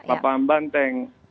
pak paham banteng